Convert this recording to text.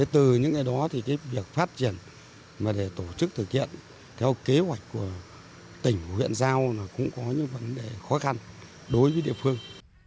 từ những ngày đó việc phát triển và tổ chức thực hiện theo kế hoạch của tỉnh huyện giao cũng có những vấn đề khó khăn đối với địa phương